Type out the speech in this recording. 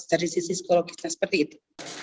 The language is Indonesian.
dari sisi psikologisnya seperti itu